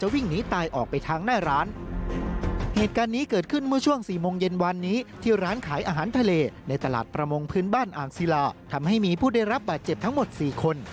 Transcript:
บ้านอ่างซีลาทำให้มีผู้ได้รับบัตรเจ็บทั้งหมด๔คน